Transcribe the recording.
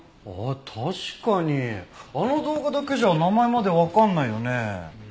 あっ確かにあの動画だけじゃ名前までわかんないよね。